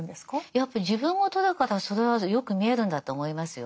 やっぱり自分ごとだからそれはよく見えるんだと思いますよ。